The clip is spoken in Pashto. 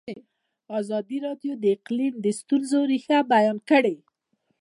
ازادي راډیو د اقلیم د ستونزو رېښه بیان کړې.